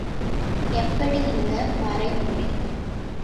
எப்படி இந்த மறைமொழி?